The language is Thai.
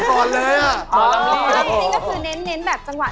๑๐๐คนโอ้โห